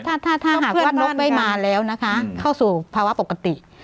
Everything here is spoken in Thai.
ถ้าถ้าหากว่านกไม่มาแล้วนะคะเข้าสู่ภาวะปกติ